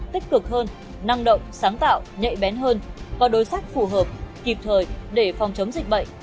tích cực hơn năng động sáng tạo nhạy bén hơn có đối sách phù hợp kịp thời để phòng chống dịch bệnh